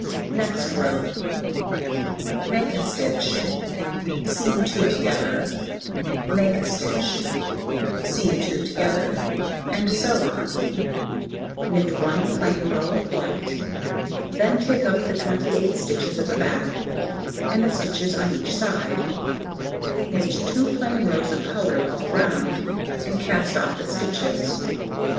Next row: Make a stitch, seam 2 together, make a stitch, seam 2 together, and so on; knit 1 plain row of white, then take up the 28 stitches at the back, and the stitches on each side, knit 2 plain rows of coloured all round, and cast off the stitches.